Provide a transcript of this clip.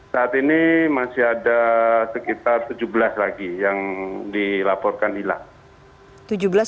saat ini masih ada sekitar tujuh belas lagi yang dilaporkan hilang